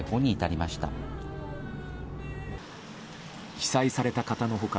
被災された方の他